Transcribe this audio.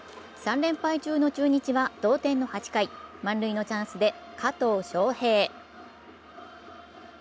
３連敗中の中日は同点の８回、満塁のチャンスで加藤翔平。